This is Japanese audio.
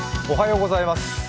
おはようございます。